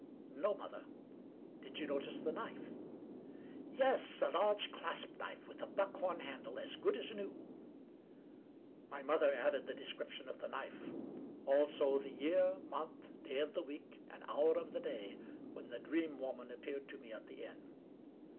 "" No, mother." " Did you notice the knife ?" "Yes. A large clasp knife, with a buckhorn handle, as good as new." My mother added the description of the knife. Also the year, month, day of the week, and hour of the day when the Dream Woman appeared to me at the inn.